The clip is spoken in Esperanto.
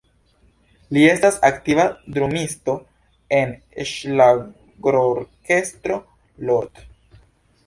Li estas aktiva drumisto en ŝlagrorkestro "Lord".